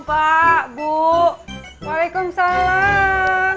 pak bu waalaikumsalam